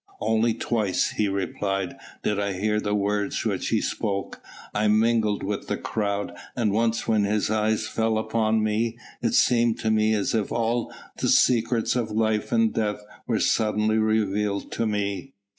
"Only twice," he replied, "did I hear the words which He spoke. I mingled with the crowd, and once when His eyes fell upon me, it seemed to me as if all the secrets of life and death were suddenly revealed to me.